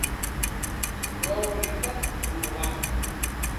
Inclou índex onomàstic.